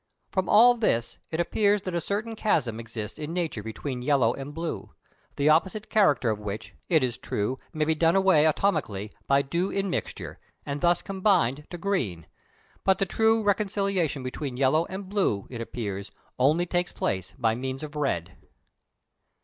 From all this it appears that a certain chasm exists in nature between yellow and blue, the opposite characters of which, it is true, may be done away atomically by due immixture, and, thus combined, to green; but the true reconciliation between yellow and blue, it seems, only takes place by means of red.